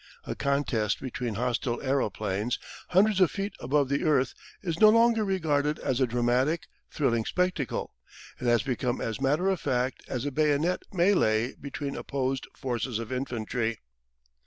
A contest between hostile aeroplanes, hundreds of feet above the earth, is no longer regarded as a dramatic, thrilling spectacle: it has become as matter of fact as a bayonet melee between opposed forces of infantry.